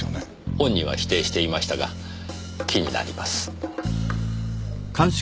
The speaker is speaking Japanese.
本人は否定していましたが気になります。